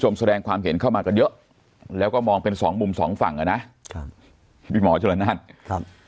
มองเป็นสองมุมสองฝั่งอ่ะนะครับพี่หมอเจ้าเรนนั่นครับ